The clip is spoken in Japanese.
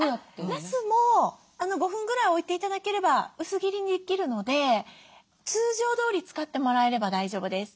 なすも５分ぐらい置いて頂ければ薄切りにできるので通常どおり使ってもらえれば大丈夫です。